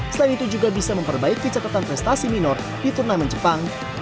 selain itu juga bisa memperbaiki catatan prestasi minor di turnamen jepang